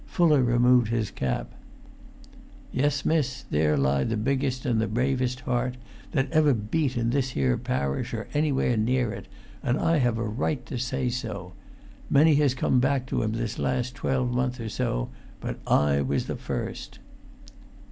Fuller removed his cap. "Yes, miss, there lie the biggest and the bravest heart that ever beat in this here parish or anywhere near it. And I have a right to say so. Many has come back to him this last twelvemonth or so. But I was the first."